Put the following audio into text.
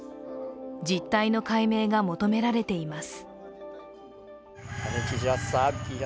実態の解明が求められています。